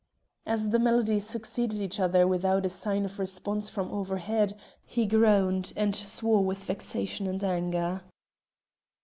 As the melodies succeeded each other without a sign of response from overhead, he groaned, and swore with vexation and anger.